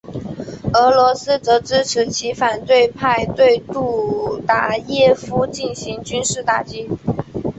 俄罗斯则支持其反对派对杜达耶夫进行军事打击。